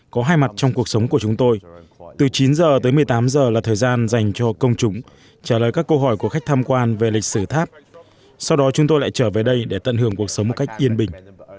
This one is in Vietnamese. có hai mặt trong cuộc sống của chúng tôi từ chín h tới một mươi tám h là thời gian dành cho công chúng trả lời các câu hỏi của khách tham quan về lịch sử tháp sau đó chúng tôi lại trở về đây để tận hưởng cuộc sống một cách yên bình